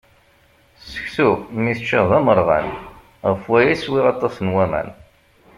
Seksu, mi t-ččiɣ d amerɣan, ɣef waya i swiɣ aṭas n waman.